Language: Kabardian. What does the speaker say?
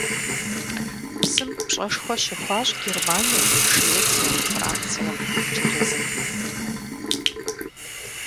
Псым пщӀэшхуэ щыхуащӀ Германием, Швецием, Францием, Инджылызым.